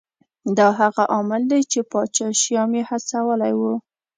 دا هغه عامل دی چې پاچا شیام یې هڅولی و.